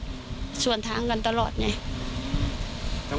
จน๘โมงเช้าวันนี้ตำรวจโทรมาแจ้งว่าพบเป็นศพเสียชีวิตแล้ว